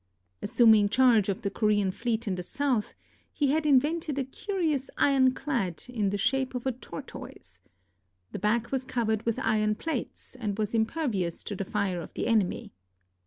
Assuming charge of the Korean fleet in the south, he had invented a curious ironclad in the shape of a tortoise. The back was covered with iron plates, and was impervious to the fire of the enemy.